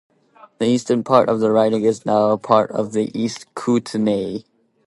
The eastern part of the riding is now part of East Kootenay.